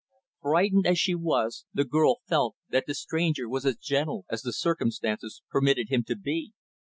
Frightened as she was, the girl felt that the stranger was as gentle as the circumstances permitted him to be.